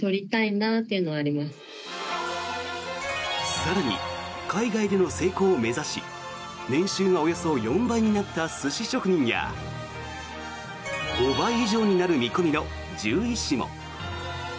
更に、海外での成功を目指し年収がおよそ４倍になった寿司職人や５倍以上になる見込みの獣医師も。